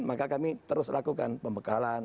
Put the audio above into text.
maka kami terus lakukan pembekalan